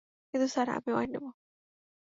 কিন্তু স্যার, আমি ওয়াইন নেবো।